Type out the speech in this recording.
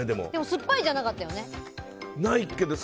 酸っぱいじゃなかったよね。